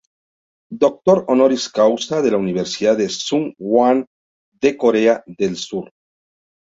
Doctor Honoris Causa de la Universidad Sung Kwan de Corea del sur.